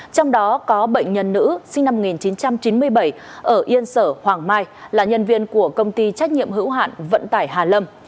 trong đó có bệnh nhân nữ sinh năm một nghìn chín trăm chín mươi bảy ở yên sở hoàng mai là nhân viên của công ty trách nhiệm hữu hạn vận tải hà lâm